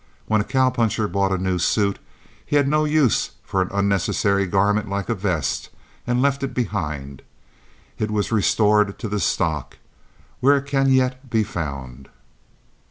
When a cow puncher bought a new suit he had no use for an unnecessary garment like a vest and left it behind. It was restored to the stock, where it can yet be found.